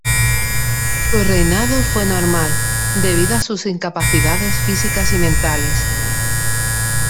Su reinado fue formal debido a sus incapacidades físicas y mentales.